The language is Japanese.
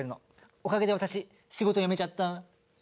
おかげで私仕事辞めちゃった。